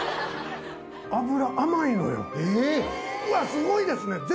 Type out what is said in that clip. うわすごいですね